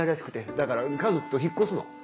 だから家族と引っ越すの。